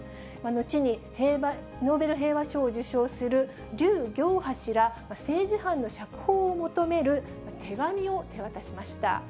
のちにノーベル平和賞を受賞する劉暁波氏ら政治犯の釈放を求める手紙を手渡しました。